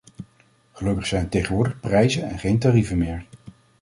Gelukkig zijn het tegenwoordig prijzen en geen tarieven meer.